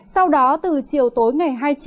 sau đó từ chiều tối ngày hai mươi chín